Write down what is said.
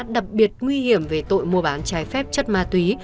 đặc biệt nguy hiểm về tội mua bán trái phép chất ma túy